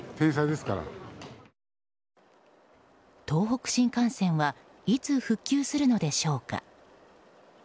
東北新幹線はいつ復旧するのでしょうか。